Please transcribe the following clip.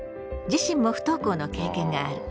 自身も不登校の経験がある。